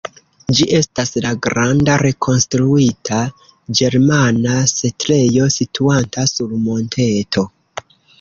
Ĝi estas la granda rekonstruita ĝermana setlejo situanta sur monteto.